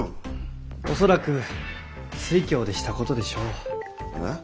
恐らく酔狂でしたことでしょう。はあ？